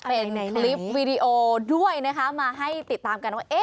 เป็นคลิปวีดีโอด้วยนะคะมาให้ติดตามกันว่า